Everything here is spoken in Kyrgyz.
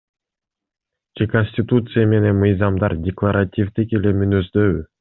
Же Конституция менен мыйзамдар декларативдик эле мүнөздөбү?